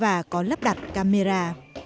và có lắp đặt camera